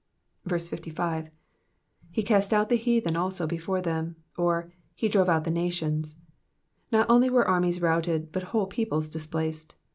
55. i^ east out the heathen also be/ore them,^^ or he drove out the nations.'* Not only were armies routed, but whole peoples displaced.